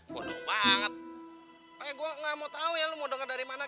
apunuh banget gue gak mau tau ya lo mau denger dari mana